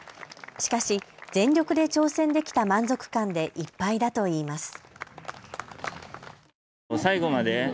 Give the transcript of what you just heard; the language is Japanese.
しかし全力で挑戦できた満足感でいっぱいだといいます。